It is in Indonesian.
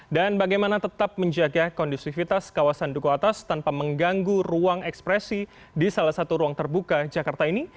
dan bagaimana tetap menjaga kondusivitas kawasan duku atas tanpa mengganggu ruang ekspresi di salah satu ruang terbuka jakarta ini